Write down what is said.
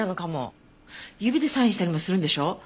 指でサインしたりもするんでしょ？